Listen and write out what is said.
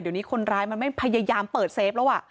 เดี๋ยวนี้คนร้ายมันไม่พยายามเปิดเซฟแล้ว